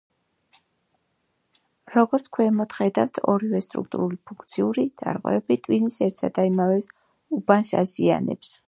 როგორც ქვემოთ ხედავთ, ორივე, სტრუქტურული და ფუნქციური, დარღვევები ტვინის ერთსა და იმავე უბანს აზიანებს.